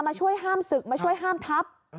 มาช่วยห้ามศึกมาช่วยห้ามทับ